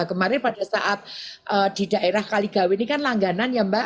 kemarin pada saat di daerah kaligawi ini kan langganan ya mbak